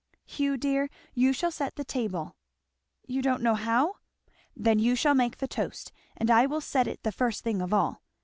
Hugh dear, you shall set the table. You don't know how? then you shall make the toast, and I will set it the first thing of all.